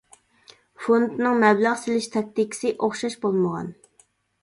فوندنىڭ مەبلەغ سېلىش تاكتىكىسى ئوخشاش بولمىغان.